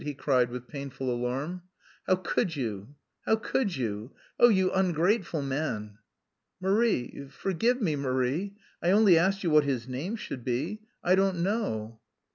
he cried with painful alarm. "How could you, how could you... Oh, you ungrateful man!" "Marie, forgive me, Marie... I only asked you what his name should be. I don't know...."